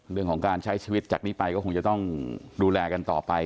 เรื่องของการใช้ชีวิตจากนี้ไปก็คงจะต้องดูแลกันต่อไป